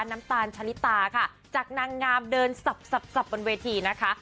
น้ำตาลชะลิตาค่ะจากนางงามเดินสับบนเวทีนะคะ